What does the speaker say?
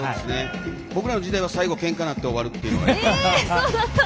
僕らの時代は最後けんかになって終わるという。